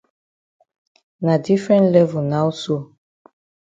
Na different level now so.